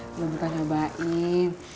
nah lo bukan nyobain